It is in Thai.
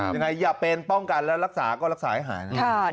ยังไงอย่าเป็นป้องกันแล้วรักษาก็รักษาให้หาย